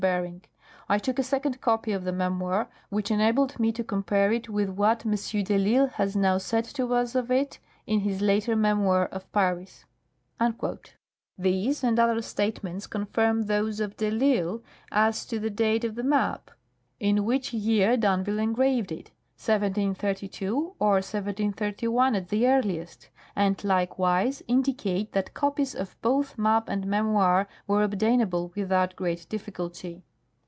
Bering. I took a second copy of the memoir, which enabled me to compare it with what M. de I'Isle has now said to us of it in his later memoir of Paris." These and other statements confirm those of de I'Isle as to the date of the map, in which year d'Anville engraved it (1732, or 1731 at the earliest), and likewise indicate that copies of both map and memoir were obtainable without great difficulty.